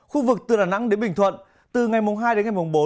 khu vực từ đà nẵng đến bình thuận từ ngày mùng hai đến ngày mùng bốn